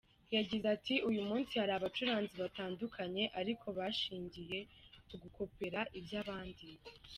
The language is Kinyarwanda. Yagize ati “Uyu munsi hari abacuranzi batandukanye ariko bashingiye ku gukopera iby’abandi.